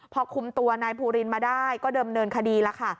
พอคุมตัวนายภูรินมาได้ก็เดิมเนินคดีแล้วค่ะ